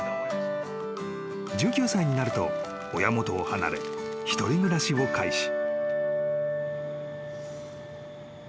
［１９歳になると親元を離れ一人暮らしを開始］